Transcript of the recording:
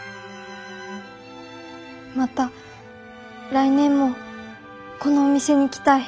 また来年もこのお店に来たい。